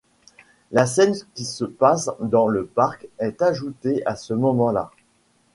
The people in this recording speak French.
La scène qui se passe dans le parc est ajoutée à ce moment-là.